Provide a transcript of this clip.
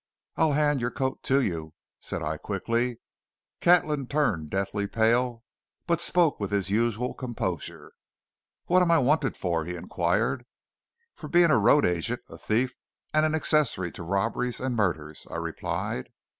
"I'll hand your coat to you," said I quickly. Catlin turned deadly pale, but spoke with his usual composure. "What am I wanted for?" he inquired. "For being a road agent, a thief, and an accessory to robberies and murders," I replied.